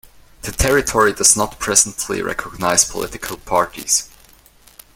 The territory does not presently recognize political parties.